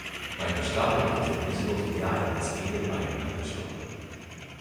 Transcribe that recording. Microscopic means invisible to the eye unless aided by a microscope.